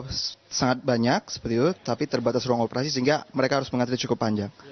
jadi karena pasien yang sangat banyak seperti itu tapi terbatas ruang operasi sehingga mereka harus mengatasi cukup panjang